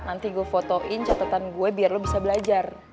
nanti gue fotoin catatan gue biar lo bisa belajar